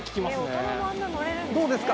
どうですか？